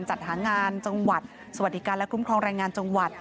จัดหางานจังหวัดสวัสดิการและคุ้มครองแรงงานจังหวัด